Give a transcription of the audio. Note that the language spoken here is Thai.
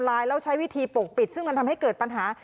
แล้วใช้วิธีปกปิดซึ่งมันทำให้เกิดปัญหา